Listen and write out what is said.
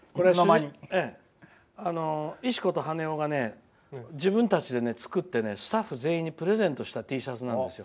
「石子と羽男」が自分たちで作ってスタッフ全員にプレゼントしたＴシャツなんです。